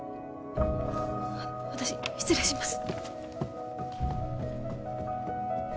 あっ私失礼します。